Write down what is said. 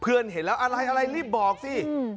เพื่อนเห็นแล้วอะไรอะไรรีบบอกสิ